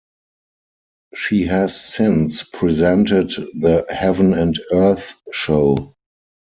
She has since presented the "Heaven and Earth Show".